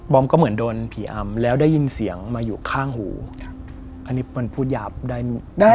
ก็เหมือนโดนผีอำแล้วได้ยินเสียงมาอยู่ข้างหูอันนี้มันพูดยาบได้